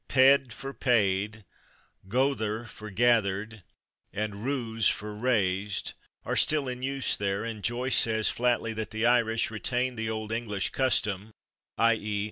/Ped/ for /paid/, /gother/ for /gathered/, and /ruz/ for /raised/ are still in use there, and Joyce says flatly that the Irish, "retaining the old English custom [/i. e.